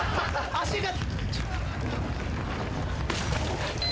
足が。